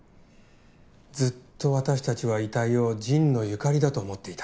ずっと私たちは遺体を神野由香里だと思っていた。